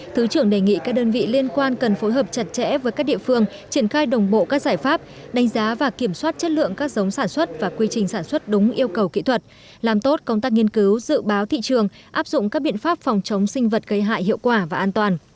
thứ trưởng đề nghị các đơn vị liên quan cần phối hợp chặt chẽ với các địa phương triển khai đồng bộ các giải pháp đánh giá và kiểm soát chất lượng các giống sản xuất và quy trình sản xuất đúng yêu cầu kỹ thuật làm tốt công tác nghiên cứu dự báo thị trường áp dụng các biện pháp phòng chống sinh vật gây hại hiệu quả và an toàn